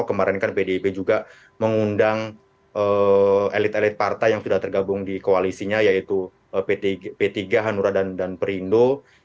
kemarin kan pdip juga mengundang elit elit partai yang sudah tergabung di koalisinya yaitu p tiga hanura dan perindo